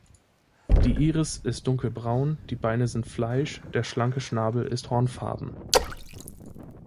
Die Iris ist dunkelbraun, die Beine sind fleisch-, der schlanke Schnabel ist hornfarben.